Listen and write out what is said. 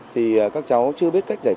thì các cháu chưa biết cách giải pháp